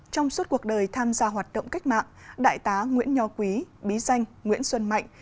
trong suốt cuộc đời tham gia hoạt động cách mạng đại tá nguyễn nho quý bí danh nguyễn xuân mạnh